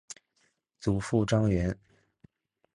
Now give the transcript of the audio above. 祖父张员。